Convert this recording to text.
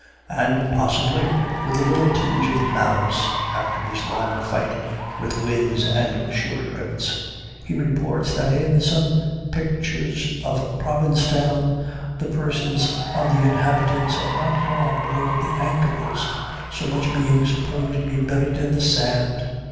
And, possibly, with a little tinge of malice after his long fight with winds and shore drifts, he reports that "in some pictures of Provincetown the persons of the inhabitants are not drawn below the ankles, so much being supposed to be buried in the sand."